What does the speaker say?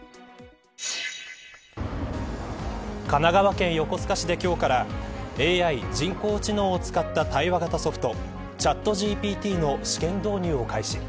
神奈川県横須賀市で、今日からＡＩ、人工知能を使った対話型ソフトチャットＧＰＴの試験導入を開始。